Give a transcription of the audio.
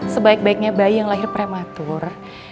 sebaik baiknya bayi yang lahir prematur